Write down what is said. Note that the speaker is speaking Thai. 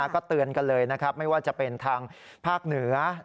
ก็เตือนกันเลยนะครับไม่ว่าจะเป็นทางภาคเหนือ